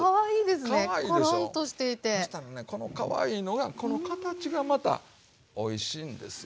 そしたらねこのかわいいのがこの形がまたおいしいんですよ。